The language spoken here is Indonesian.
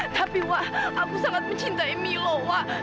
tapi wak aku sangat mencintai milo wak